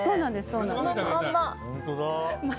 そのまま。